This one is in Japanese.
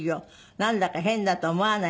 「なんだか変だと思わない？」